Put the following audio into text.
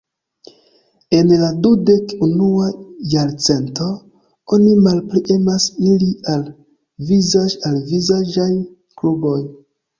En la dudek-unua jarcento, oni malpli emas iri al vizaĝ-al-vizaĝaj kluboj.